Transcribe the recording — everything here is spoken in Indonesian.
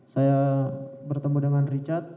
saya bertemu dengan richard